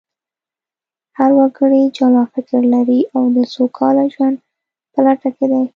هر وګړی جلا فکر لري او د سوکاله ژوند په لټه کې دی